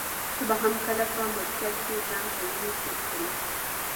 ته به هم کله په مورچل کي ځان په وینو سور کړې ؟